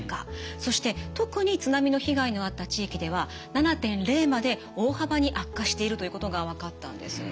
そして特に津波の被害のあった地域では７．０まで大幅に悪化しているということが分かったんです。